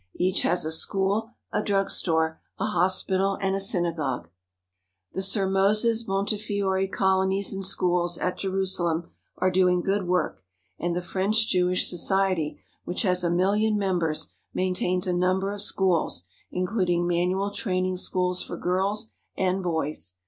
Each has a school, a drug store, a hospital, and a synagogue. The Sir Moses Montefiore colonies and schools at Je rusalem are doing good work, and the French Jewish Society, which has a million members, maintains a number of schools, including manual training schools for girls and boys.